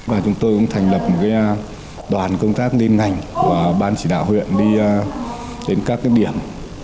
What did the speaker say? và chúng tôi cũng thành lập một cái đoàn công tác liên ngành của ban chỉ đạo huyện đi đến các cái điểm